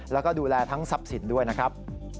แล้วก็ดูแลทั้งทรัพย์สินด้วยนะครับ